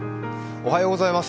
おはようございます。